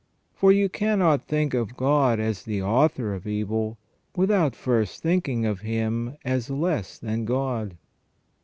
For you cannot think of God as the author of evil without first thinking of Him as less than God.